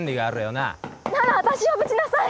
なら私をぶちなさい！